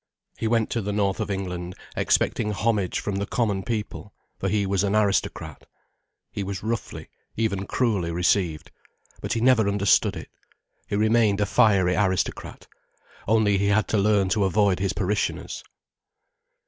He went to the north of England expecting homage from the common people, for he was an aristocrat. He was roughly, even cruelly received. But he never understood it. He remained a fiery aristocrat. Only he had to learn to avoid his parishioners.